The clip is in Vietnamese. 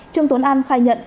trương tuấn an khai nhận